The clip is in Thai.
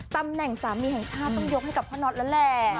ตำแหน่งสามีแห่งชาติต้องยกให้กับพ่อน็อตแล้วแหละ